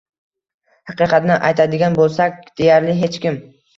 Haqiqatni aytadigan bo’lsak – deyarli hech kim.